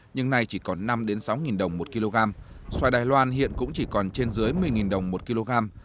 nhưng nay chỉ còn năm sáu đồng một kg xoài đài loan hiện cũng chỉ còn trên dưới một mươi đồng một kg